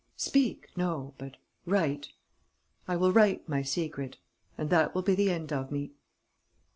"Speak, no, but write: I will write my secret.... And that will be the end of me."